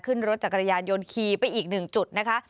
ขึ้นรถจักรยานยนต์ขี่ไปอีกหนึ่งจุดนะคะ